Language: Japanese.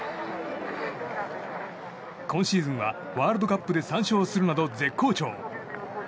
今シーズンはワールドカップで３勝するなど絶好調。